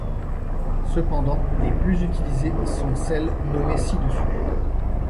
Cependant, les plus utilisées sont celles nommées ci-dessus.